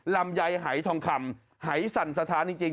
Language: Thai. ลำไยหายทองคำหายสั่นสถานจริง